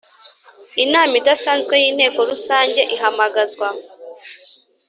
Inama idasanzwe y Inteko Rusange ihamagazwa